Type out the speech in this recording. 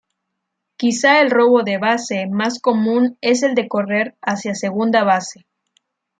Quizá el robo de base más común es el de correr hacia segunda base.